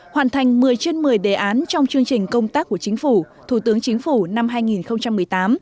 hoàn thành một mươi trên một mươi đề án trong chương trình công tác của chính phủ thủ tướng chính phủ năm hai nghìn một mươi tám